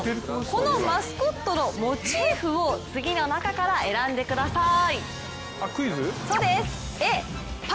このマスコットのモチーフを次の中から選んでください。